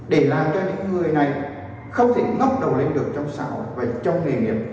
để làm cho những người này không thể ngóc đầu lên được trong xã hội và trong nghề nghiệp